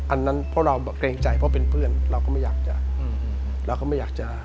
อันนั้นเพราะเราเกรงใจเพราะเป็นเพื่อนเราก็ไม่อยากจะ